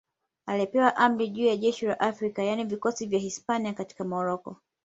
Alipewa amri juu ya jeshi la Afrika, yaani vikosi vya Hispania katika Moroko.